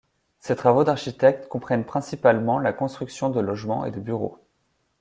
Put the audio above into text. Ses travaux d'architecte comprennent principalement la construction de logements et de bureaux.